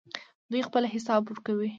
دوی خپل حساب ورکوي.